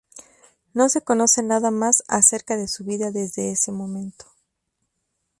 No se conoce nada más acerca de su vida desde ese momento.